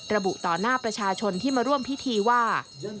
ระบุต่อหน้าประชาชนที่มาร่วมพิธีว่า